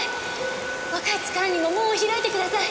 若い力にも門を開いてください。